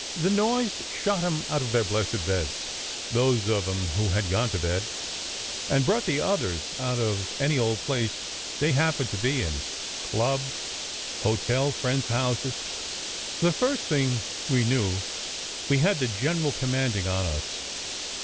The noise shot em out of their blessed beds those of em who had gone to bed and brought the others out of any old place they happened to be in: club, hotel, friends houses. The first thing we knew, we had the General Commanding on us.